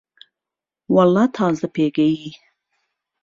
وهڵڵا تازه پێگهیی